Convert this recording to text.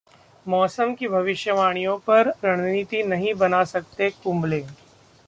मौसम की भविष्यवाणियों पर रणनीति नहीं बना सकतेः कुंबले